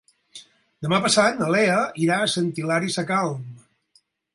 Demà passat na Lea irà a Sant Hilari Sacalm.